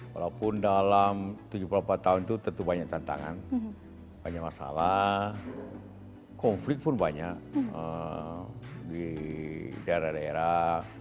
walaupun dalam tujuh puluh empat tahun itu tentu banyak tantangan banyak masalah konflik pun banyak di daerah daerah